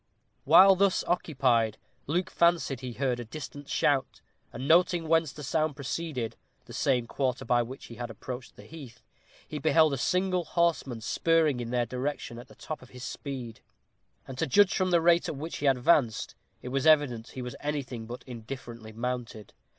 While thus occupied, Luke fancied he heard a distant shout, and noting whence the sound proceeded the same quarter by which he had approached the heath he beheld a single horseman spurring in their direction at the top of his speed; and to judge from the rate at which he advanced, it was evident he was anything but indifferently mounted.